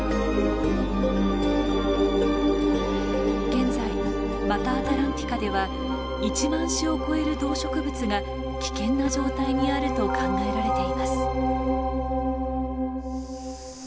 現在マタアトランティカでは１万種を超える動植物が危険な状態にあると考えられています。